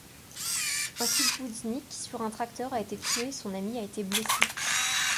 Un kibboutznik sur un tracteur a été tué et son ami a été blessé.